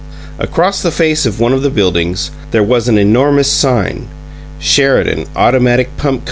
Across the face of one of the buildings there was an enormous sign: "Sheridan Automatic Pump Co.